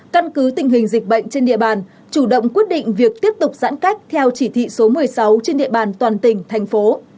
căn cứ tình hình dịch bệnh trên địa bàn chủ động quyết định việc tiếp tục giãn cách theo chỉ thị số một mươi sáu trên địa bàn toàn tỉnh thành phố